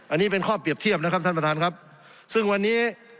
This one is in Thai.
อันนี้เป็นข้อเปรียบเทียบนะครับท่านประธานครับซึ่งวันนี้